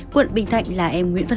quận bình thạnh lạ em nguyễn văn